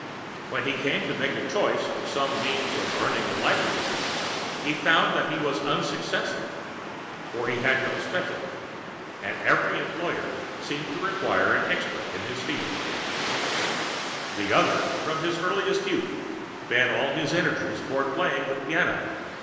When he Came to Make a Choice of some means of Earning a Livelihood, he found he was Unsuccessful, for he had no Specialty, and Every Employer seemed to Require an Expert in his Line. The Other, from his Earliest Youth, bent all his Energies toward Learning to play the Piano.